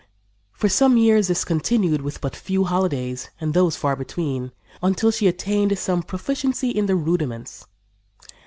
For some years this life continued, with but few holidays, and those far between, until she attained some proficiency in the rudiments.